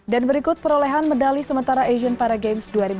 dan berikut perolehan medali sementara asian para games dua ribu delapan belas